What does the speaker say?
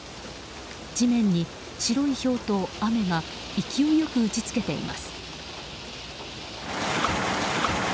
地面に、白いひょうと雨が勢いよく打ち付けています。